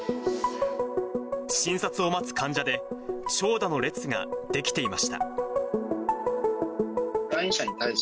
診察を待つ患者で、長蛇の列が出来ていました。